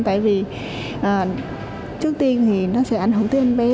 tại vì trước tiên thì nó sẽ ăn hổ tiên bé